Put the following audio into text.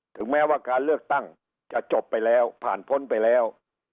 ถึงแม้ว่าการเลือกตั้งจะจบไปแล้วผ่านพ้นไปแล้ว